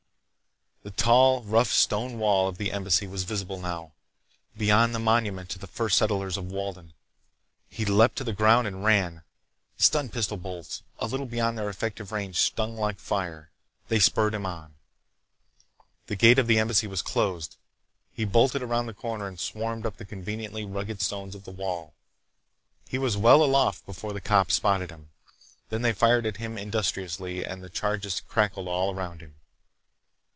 The tall, rough stone wall of the Embassy was visible, now, beyond the monument to the First Settlers of Walden. He leaped to the ground and ran. Stun pistol bolts, a little beyond their effective range, stung like fire. They spurred him on. The gate of the Embassy was closed. He bolted around the corner and swarmed up the conveniently rugged stones of the wall. He was well aloft before the cops spotted him. Then they fired at him industriously and the charges crackled all around him.